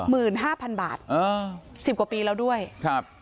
หมื่นห้าพันบาทอ่าสิบกว่าปีแล้วด้วยครับ